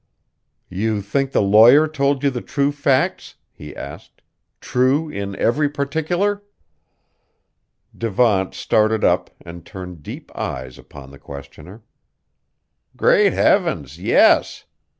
"You think the lawyer told you the true facts?" he asked; "true in every particular?" Devant started up and turned deep eyes upon the questioner. "Great heavens! yes.